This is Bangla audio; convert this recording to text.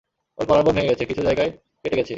ওর কলারবোন ভেঙে গেছে, কিছু জায়গায় কেটে গেছে।